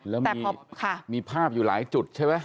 แล้วมีภาพอยู่หลายจุดใช่ไหม